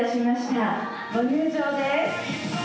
ご入場です！